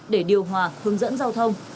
để điều hòa hướng dẫn giao thông